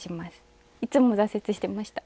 いつも挫折してました。